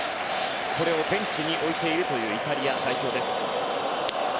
これをベンチに置いているというイタリア代表です。